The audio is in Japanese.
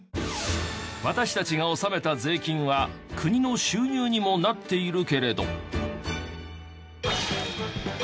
私たちが納めた税金は国の収入にもなっているけれど。